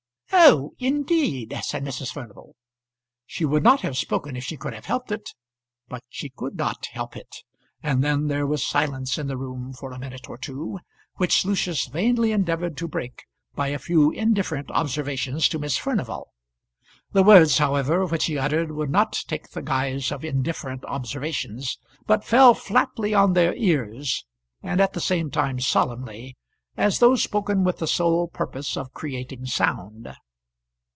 "Oh! indeed," said Mrs. Furnival. She would not have spoken if she could have helped it, but she could not help it; and then there was silence in the room for a minute or two, which Lucius vainly endeavoured to break by a few indifferent observations to Miss Furnival. The words, however, which he uttered would not take the guise of indifferent observations, but fell flatly on their ears, and at the same time solemnly, as though spoken with the sole purpose of creating sound.